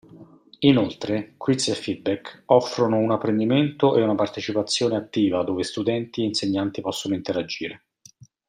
Inoltre, quiz e feedback offrono un apprendimento e una partecipazione attiva dove studenti e insegnanti possono interagire.